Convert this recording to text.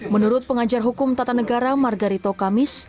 menurut pengajar hukum tata negara margarito kamis